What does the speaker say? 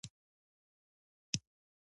ور ته له خیاله کوږه وږه ولاړه وه.